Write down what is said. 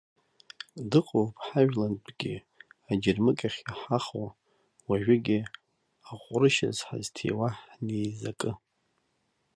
Дыҟоуп ҳажәлантәгьы аџьырмыкьахь иҳахо, уажәыгьы аҟәрышьаз ҳазҭиуа ҳнеизакы.